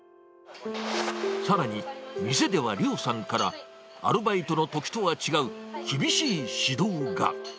さらに、店では亮さんから、アルバイトのときとは違う厳しい指導が。